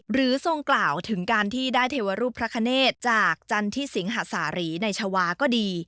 ทรงกล่าวถึงการที่ได้เทวรูปพระคเนธจากจันทิสิงหาสารีในชาวาก็ดี